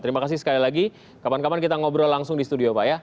terima kasih sekali lagi kapan kapan kita ngobrol langsung di studio pak ya